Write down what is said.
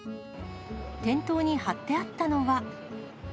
店頭に貼ってあったのは。